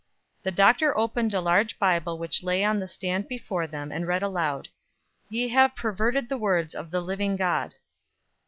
The doctor opened a large Bible which lay on the stand before them, and read aloud: "Ye have perverted the words of the living God."